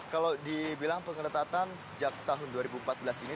kalau dibilang pengeretatan sejak tahun dua ribu empat belas ini